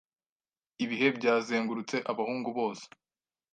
Ibihe byazengurutse abahungu bose